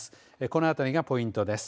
このあたりがポイントです。